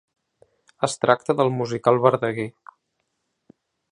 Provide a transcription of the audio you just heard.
Es tracta del musical Verdaguer.